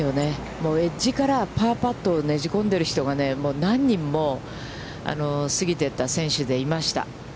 もうエッジからパーパットをねじ込んでいる人が、何人も過ぎてった選手いました。